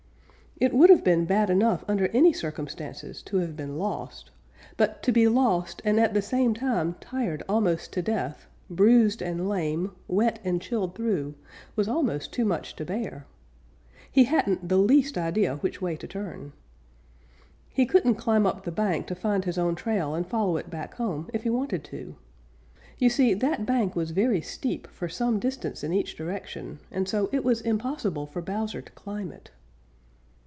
It would have been bad enough under any circumstances to have been lost, but to be lost and at the same time tired almost to death, bruised and lame, wet and chilled through, was almost too much to bear. He hadn't the least idea which way to turn. He couldn't climb up the bank to find his own trail and follow it back home if he wanted to. You see, that bank was very steep for some distance in each direction, and so it was impossible for Bowser to climb it.